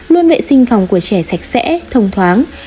luôn vệ sinh phòng của trẻ sạch sẽ thông thoáng